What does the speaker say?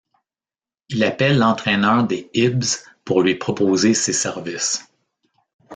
Il appelle l'entraîneur des Hibs pour lui proposer ses services.